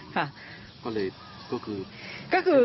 ค่ะก็เลยก็คือ